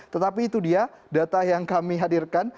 tetapi itu dia data yang kami hadirkan